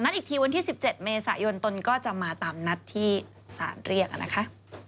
อีกทีวันที่๑๗เมษายนตนก็จะมาตามนัดที่สารเรียกนะคะ